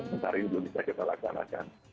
sementara ini belum bisa kita lakukan akan